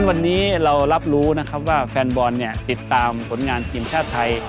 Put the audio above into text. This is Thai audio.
วันนี้เรารับรู้นะครับว่าแฟนบอลติดตามผลงานทีมชาติไทย